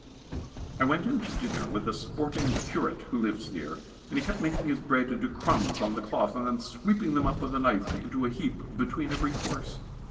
I went in to dinner with a sporting curate who lives near, and he kept making his bread into crumbs on the cloth and then sweeping them up with his knife into a heap, between every course.